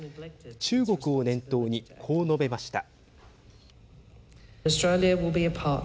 中国を念頭に、こう述べました。